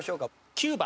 ９番。